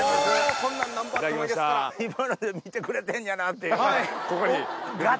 今ので見てくれてんやなっていうのが。